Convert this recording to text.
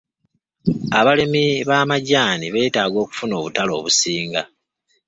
Abalimi b'amajaani beetaaga okufuna obutale obusinga.